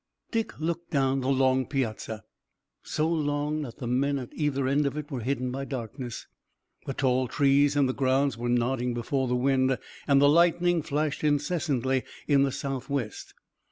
Dick looked down the long piazza, so long that the men at either end of it were hidden by darkness. The tall trees in the grounds were nodding before the wind, and the lightning flashed incessantly in the southwest.